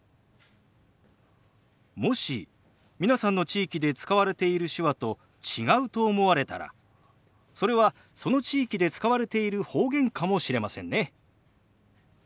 もし皆さんの地域で使われている手話と違うと思われたらそれはその地域で使われている方言かもしれませんね。